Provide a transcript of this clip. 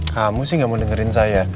kamu sih gak mau dengerin saya